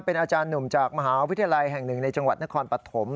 เป็นอาจารย์หนุ่มจากมหาวิทยาลัยแห่งหนึ่งในจังหวัดนครปฐม